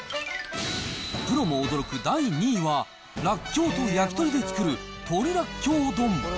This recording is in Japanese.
プロも驚く第２位は、らっきょうと焼き鳥で作る鳥らっきょう丼。